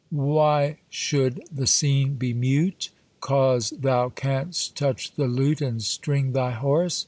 Why shou'd the scene be mute 'Cause thou canst touch the lute And string thy Horace!